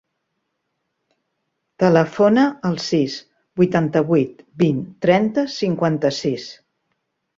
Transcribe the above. Telefona al sis, vuitanta-vuit, vint, trenta, cinquanta-sis.